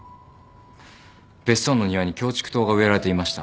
別荘の庭にキョウチクトウが植えられていました。